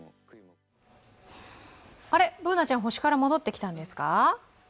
あれ、Ｂｏｏｎａちゃん、星から戻ってきたんですか？